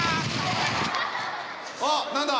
おっ何だ？